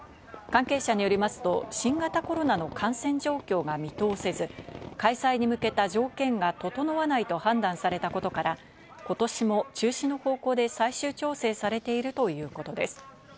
関係者によりますと、新型コロナの感染状況が見通せず、開催に向けた条件が整わないと判断されたことから、今年も中止の方向で最終調整されているということです。